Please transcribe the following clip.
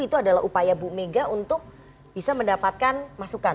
itu adalah upaya bu mega untuk bisa mendapatkan masukan